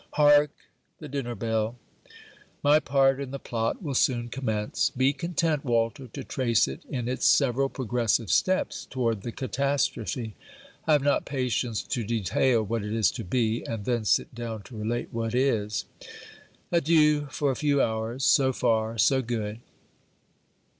Hark! the dinner bell. My part in the plot will soon commence. Be content, Walter, to trace it in its several progressive steps toward the catastrophe. I have not patience to detail what is to be, and then sit down to relate what is. Adieu, for a few hours. So far, so good.